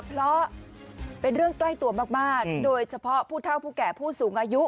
เพราะเป็นเรื่องใกล้ตัวมากโดยเฉพาะผู้เท่าผู้แก่ผู้สูงอายุ